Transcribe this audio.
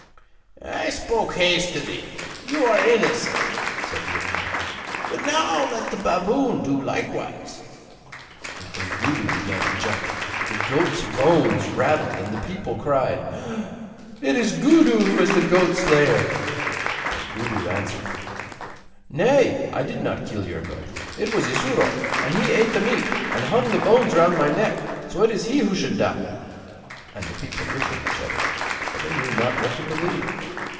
'I spoke hastily; you are innocent,' said the old man; 'but now let the baboon do likewise.' And when Gudu began to jump the goat's bones rattled and the people cried: 'It is Gudu who is the goat slayer!' But Gudu answered: 'Nay, I did not kill your goat; it was Isuro, and he ate the meat, and hung the bones round my neck. So it is he who should die!' And the people looked at each other, for they knew not what to believe.